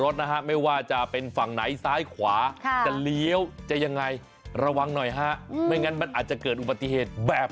ทีนี้ก็เป็นหน้าที่ของเจ้าร